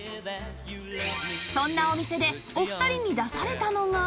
そんなお店でお二人に出されたのが